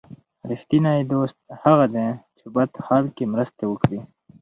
رښتینی دوست هغه دی چې په بد حال کې مرسته وکړي.